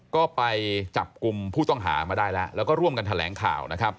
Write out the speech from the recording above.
ก็ไปจับกลุ่มผู้ต้องหามาได้แล้วก็ร่วมกันทะแหลงข่าว